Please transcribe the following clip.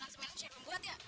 yang siapa yang buat ya